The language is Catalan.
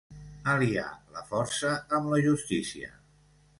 Aliar la força amb la justícia.